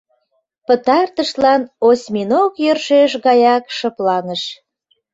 Пытартышлан осьминог йӧршеш гаяк шыпланыш.